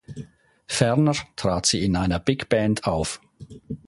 Ferner trat sie in einer Big Band auf.